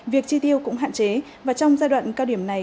việc chi tiêu cũng hạn chế và trong giai đoạn cao điểm này